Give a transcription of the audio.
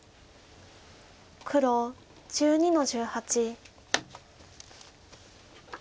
黒１２の十八。